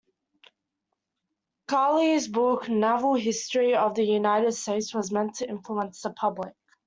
Carey's book "Naval History of the United States," was meant to influence the public.